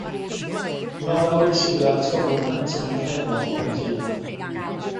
Nofel wedi'i seilio ar atgofion plentyn yn Nhrefor, Pen Llŷn.